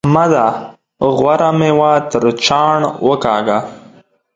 احمده! غوره مېوه تر چاڼ وکاږه.